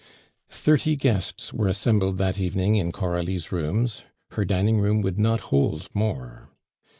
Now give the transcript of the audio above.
Thirty guests were assembled that evening in Coralie's rooms, her dining room would not hold more.